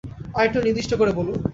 আরেকটু নির্দিষ্ট করে বলুন।